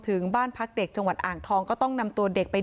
ถึงบ้านพักเด็กจังหวัดอ่างทองก็ต้องนำตัวเด็กไป